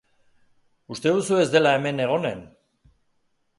Uste duzu ez dela hemen egonen?